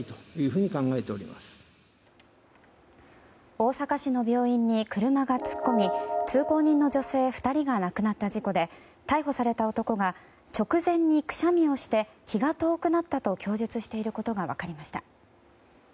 大阪市の病院に車が突っ込み通行人の女性２人が亡くなった事故で逮捕された男が直前にくしゃみをして気が遠くなったと供述していることが分かりました。